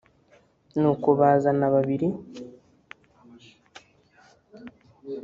nuko bazana babiri